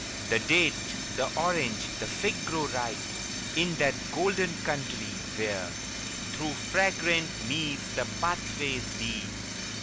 The date, the orange, the fig grow ripe In that golden country, where Through fragrant meads the pathways lead.